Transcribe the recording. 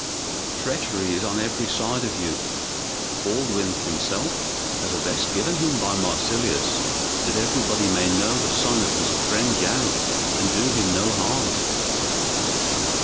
Treachery is on every side of you. Baldwin himself has a vest given him by Marsilius, that everybody may know the son of his friend Gan, and do him no harm."